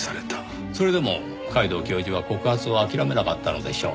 それでも皆藤教授は告発を諦めなかったのでしょう。